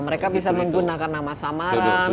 mereka bisa menggunakan nama samaran